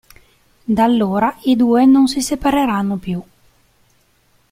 Da allora i due non si separeranno più.